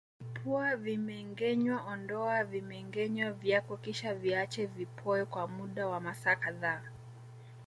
Ipua vimengenywa ondoa vimengenywa vyako kisha viache vipoe kwa muda wa masaa kadhaa